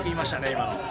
今の。